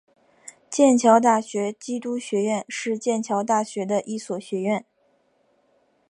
剑桥大学基督学院是剑桥大学的一所学院。